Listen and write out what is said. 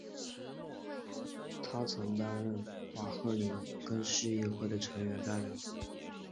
他曾担任瓦赫宁根市议会的成员代表。